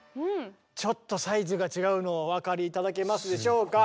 ちょっとサイズが違うのお分かり頂けますでしょうか？